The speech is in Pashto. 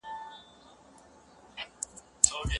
خدیجې خپله لور په ځیر سره وکتله.